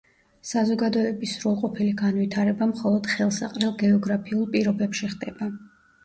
საზოგადოების სრულყოფილი განვითარება მხოლოდ ხელსაყრელ გეოგრაფიულ პირობებში ხდება.